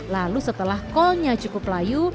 lalu setelah kolnya cukup layu